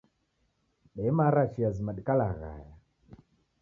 Demara chia zima dikalaghaya